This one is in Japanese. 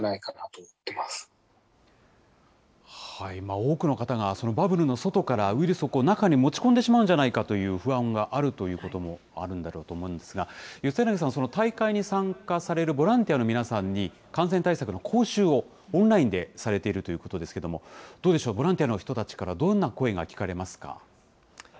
多くの方が、そのバブルの外から、ウイルスを中に持ち込んでしまうんじゃないかという不安はあるということもあるんだろうと思うんですが、四柳さん、大会に参加されるボランティアの皆さんに感染対策の講習をオンラインでされているということですけども、どうでしょう、ボランティアの人たちからどんな声が聞かれますか？